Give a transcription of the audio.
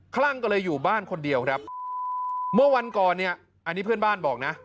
คลั่งก็เลยอยู่บ้านคนเดียวครับเมื่อวันก่อนเนี่ยอันนี้เพื่อนบ้านบอกนะ